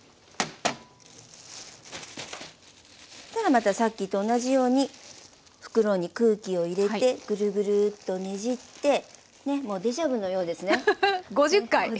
そしたらまたさっきと同じように袋に空気を入れてぐるぐるとねじってもうデジャビュのようですね。